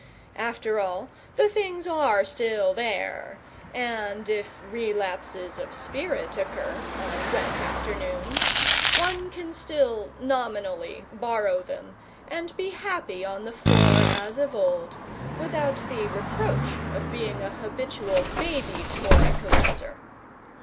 After all, the things are still there, and if relapses of spirit occur, on wet afternoons, one can still (nominally) borrow them and be happy on the floor as of old, without the reproach of being a habitual baby toy caresser.